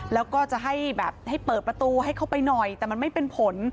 แล้วก็จะให้แบบให้เปิดประตูให้เข้าไปหน่อยแต่มันไม่เป็นผล